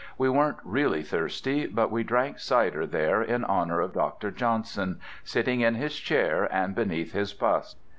We weren't really thirsty, but we drank cider there in honour of Dr. Johnson, sitting in his chair and beneath his bust.